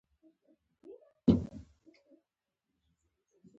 کاشکې مونږ تل همداسې کوشش کړی وای نن به پښتو ژابه ژوندی وی.